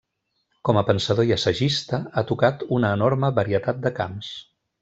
Com a pensador i assagista, ha tocat una enorme varietat de camps.